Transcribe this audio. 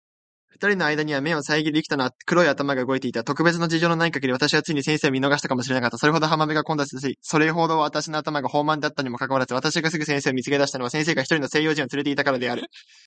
二人の間あいだには目を遮（さえぎ）る幾多の黒い頭が動いていた。特別の事情のない限り、私はついに先生を見逃したかも知れなかった。それほど浜辺が混雑し、それほど私の頭が放漫（ほうまん）であったにもかかわらず、私がすぐ先生を見付け出したのは、先生が一人の西洋人を伴（つ）れていたからである。